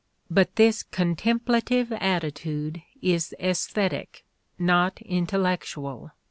But this contemplative attitude is aesthetic, not intellectual.